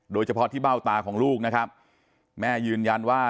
โดยเฉพาะที่เบ้าตาของลูกนะครับแม่ยืนยันว่า